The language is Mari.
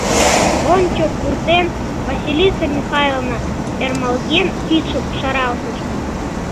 — Ончо, пуртен, — Василиса Михайловна, ӧрмалген, кидшым шаралтыш.